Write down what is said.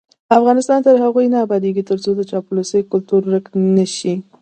افغانستان تر هغو نه ابادیږي، ترڅو د چاپلوسۍ کلتور ورک نشي.